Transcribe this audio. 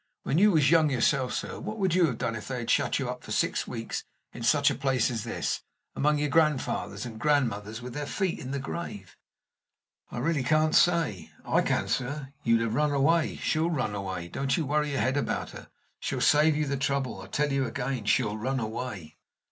When you was young yourself, sir, what would you have done if they had shut you up for six weeks in such a place as this, among your grandfathers and grandmothers, with their feet in the grave?" "I really can't say." "I can, sir. You'd have run away. She'll run away. Don't you worry your head about her she'll save you the trouble. I tell you again, she'll run away."